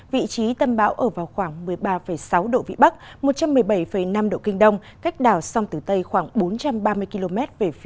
vị trí tâm bão ở vào khoảng một mươi ba sáu độ vĩ bắc một trăm một mươi bảy năm độ kinh đông cách đảo song tử tây khoảng bốn năm km